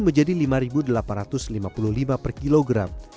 menjadi rp lima delapan ratus lima puluh lima per kilogram